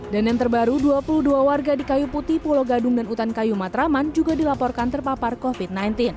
dan yang terbaru dua puluh dua warga di kayu putih pulau gadung dan utan kayu matraman juga dilaporkan terpapar covid sembilan belas